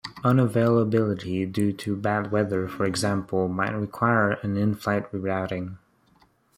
Unavailability due to bad weather, for example, might require an inflight rerouting.